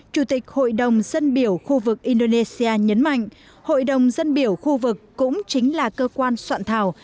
chủ tịch hội đồng dân biểu khu vực indonesia nhấn mạnh hội đồng dân biểu khu vực cũng chính là cơ quan soạn thảo